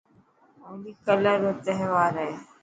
هولي ڪلر رو تهوار هي.